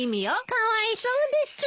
かわいそうです。